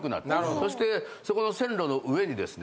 そしてそこの線路の上にですね